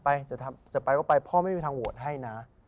จะไปก็ไปพ่อไม่มีทางโหวตให้นะ